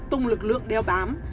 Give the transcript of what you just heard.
tung lực lượng đeo bám